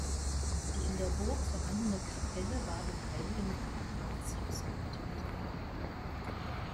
Die in der Burg vorhandene Kapelle war dem heiligen Pankratius gewidmet.